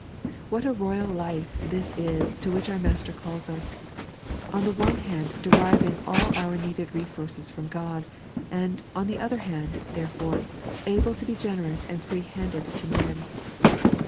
What a royal life this is to which our Master calls us — on the one hand, deriving all our needed resources from God ; and, on the other hand, therefore, able to be generous and free handed to men.